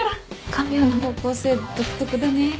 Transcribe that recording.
看病の方向性独特だね。